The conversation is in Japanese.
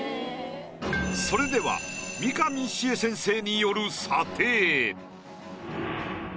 それでは三上詩絵先生による。